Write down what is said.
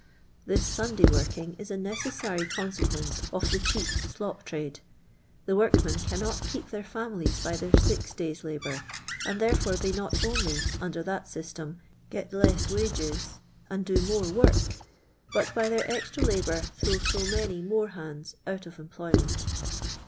This Sunday working is a necessary con sequence of the cheap *!•»»• trade. The workmen cannot keep thi ir families by their six days' labour, and there fore they not only, under that M stem, gel K ss wnges and do more work, but by their extra la^Kinr throw so many more hands out of em ployment.